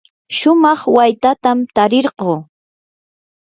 shumaq waytatam tarirquu.